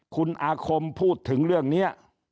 คุณอาคมพูดถึงเรื่องนี้